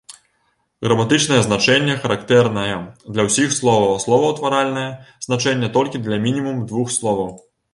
Граматычнае значэнне характэрнае для ўсіх словаў, а словаўтваральнае значэнне толькі для мінімум двух словаў.